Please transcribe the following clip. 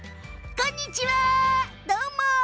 こんにちは。